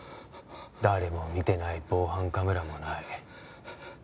誰も見てない防犯カメラもない